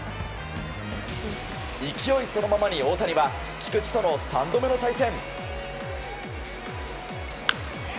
勢いそのままに大谷は菊池との３度目の対戦。